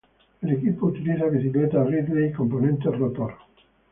El equipo utiliza bicicletas Ridley y componentes Rotor.